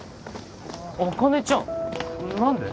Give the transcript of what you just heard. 茜ちゃん何で？